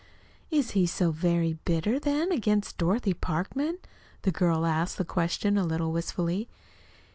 "Is he so very bitter, then, against Dorothy Parkman?" The girl asked the question a little wistfully.